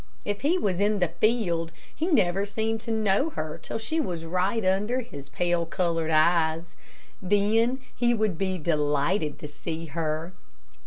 If he was in the field he never seemed to know her till she was right under his pale colored eyes. Then he would be delighted to see her.